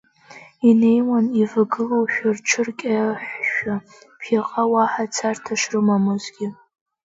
Инеиуан ивагылоушәа рҽыркьаҳәшәа, ԥхьаҟа уаҳа царҭа шрымамызгьы.